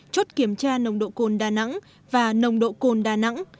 chốt kiểm tra nồng độ cồn đà nẵng và nồng độ cồn đà nẵng